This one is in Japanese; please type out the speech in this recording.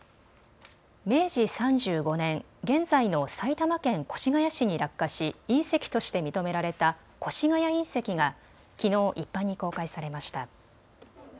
明治３５年、現在の埼玉県越谷市に落下し隕石として認められた越谷隕石がきのう一般に公開されました。